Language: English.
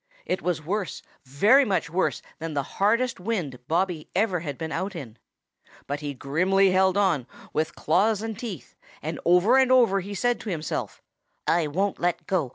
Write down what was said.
It was worse, very much worse, than the hardest wind Bobby ever had been out in. But he grimly held on with claws and teeth, and over and over he said to himself: "I won't let go.